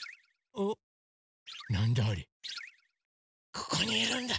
ここにいるんだ！